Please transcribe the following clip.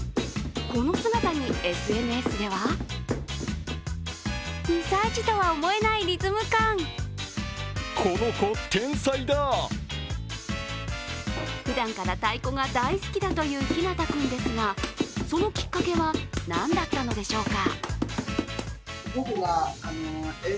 この姿にＳＮＳではふだんから太鼓が大好きだというひなた君ですが、そのきっかけは何だったのでしょうか。